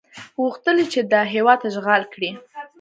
غوښتل یې چې دا هېواد اشغال کړي.